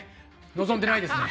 望んでないですね。